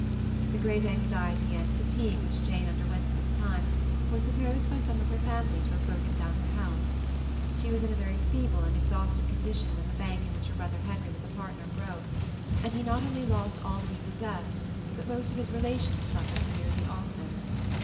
The great anxiety and fatigue which Jane underwent at this time was supposed by some of her family to have broken down her health. She was in a very feeble and exhausted condition when the bank in which her brother Henry was a partner broke, and he not only lost all that he possessed, but most of his relations suffered severely also.